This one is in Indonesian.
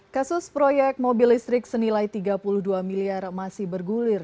kasus proyek mobil listrik senilai tiga puluh dua miliar masih bergulir